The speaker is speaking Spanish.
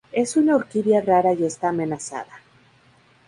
Es una orquídea rara y está amenazada.